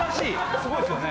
すごいですよね。